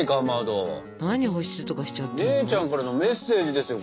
姉ちゃんからのメッセージですよ。